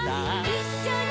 「いっしょに」